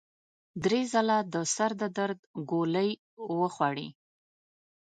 درې ځله د سر د درد ګولۍ وخوړې.